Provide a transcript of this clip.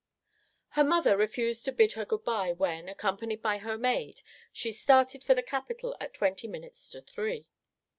Her mother refused to bid her good by when, accompanied by her maid, she started for the Capitol at twenty minutes to three.